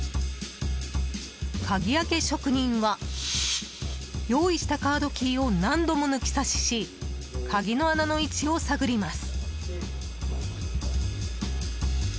鍵開け職人は用意したカードキーを何度も抜き挿しし鍵の穴の位置を探ります。